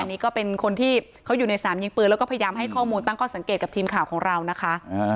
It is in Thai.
อันนี้ก็เป็นคนที่เขาอยู่ในสนามยิงปืนแล้วก็พยายามให้ข้อมูลตั้งข้อสังเกตกับทีมข่าวของเรานะคะ